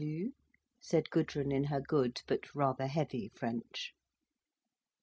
_" said Gudrun in her good, but rather heavy French.